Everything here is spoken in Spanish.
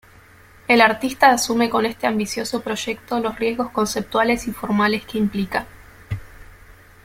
El artista asume con este ambicioso proyecto los riesgos conceptuales y formales que implica.